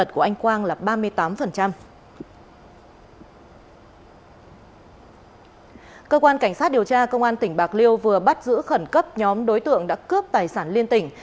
cơ quan cảnh sát điều tra công an tỉnh bạc liêu vừa bắt giữ khẩn cấp nhóm đối tượng đã cướp tài sản liên tỉnh